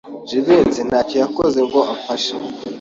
Jivency ntacyo yakoze ngo amfashe.